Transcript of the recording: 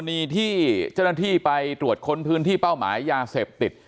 มีที่เจ้าหน้าที่ไปตรวจค้นพื้นที่เป้าหมายยาเสพติด